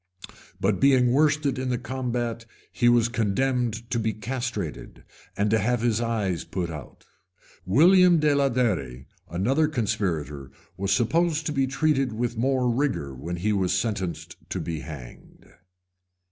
But being worsted in the combat, he was condemned to be castrated, and to have his eyes put out. William de Alderi, another conspirator, was supposed to be treated with more rigor when he was sentenced to be hanged.